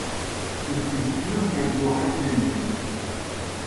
je suis sûr qu'elles auraient aimé.